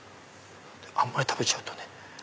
あんまり食べちゃうとね。